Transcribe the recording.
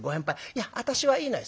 『いや私はいいのよ』。